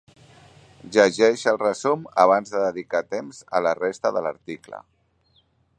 Llegeix el resum abans de dedicar temps a la resta de l'article.